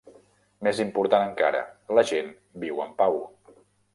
Més important encara, la gent viu en pau.